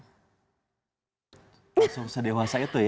langsung sedewasa itu ya